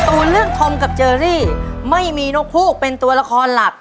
แต่ตัวเรื่องธรรมกับเจอรี่ไม่มีนกฟูเป็นตัวละครหลัก